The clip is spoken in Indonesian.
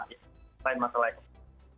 selain masalah yang lain